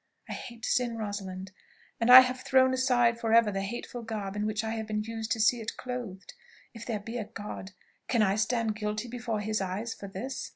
I hate sin, Rosalind, and I have thrown aside for ever the hateful garb in which I have been used to see it clothed. If there be a God, can I stand guilty before his eyes for this?"